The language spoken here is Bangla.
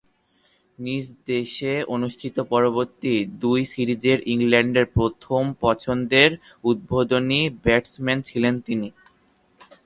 নিজদেশে অনুষ্ঠিত পরবর্তী দুই সিরিজে ইংল্যান্ডের প্রথম পছন্দের উদ্বোধনী ব্যাটসম্যান ছিলেন তিনি।